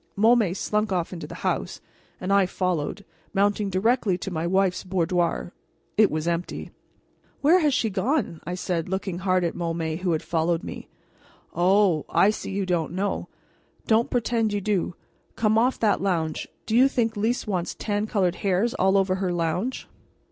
Môme slunk off into the house, and I followed, mounting directly to my wife's boudoir. It was empty. "Where has she gone?" I said, looking hard at Môme, who had followed me. "Oh! I see you don't know. Don't pretend you do. Come off that lounge! Do you think Lys wants tan colored hairs all over her lounge?"